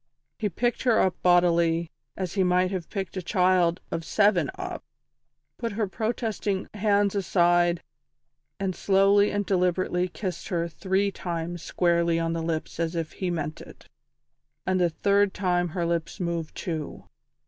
He picked her up bodily, as he might have picked a child of seven up, put her protesting hands aside, and slowly and deliberately kissed her three times squarely on the lips as if he meant it; and the third time her lips moved too.